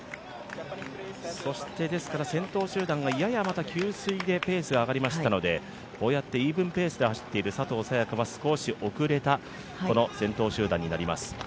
そして、先頭集団がややまた給水でペースが上がりましたのでこうやってイーブンペースで走っている佐藤早也伽は少し遅れた、この先頭集団になります。